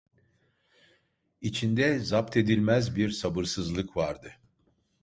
İçinde zapt edilmez bir sabırsızlık vardı.